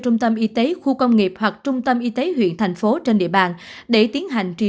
trung tâm y tế khu công nghiệp hoặc trung tâm y tế huyện thành phố trên địa bàn để tiến hành tri